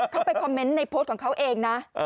เข้าไปคอมเมนต์ในโพสต์ของเขาเองนะ